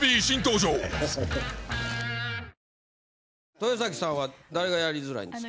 豊崎さんは誰がやりづらいんですか？